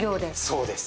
そうです。